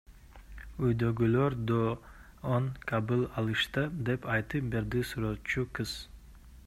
Үйдөгүлөр да оң кабыл алышты, — деп айтып берди сүрөтчү кыз.